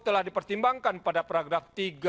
telah dipertimbangkan pada paragraf